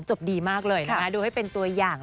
จบดีมากเลยนะคะดูให้เป็นตัวอย่าง